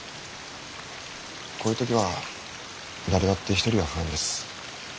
こういう時は誰だって一人は不安です。